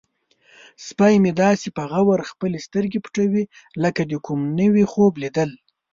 سپی مې داسې په غور خپلې سترګې پټوي لکه د کوم نوي خوب لیدل.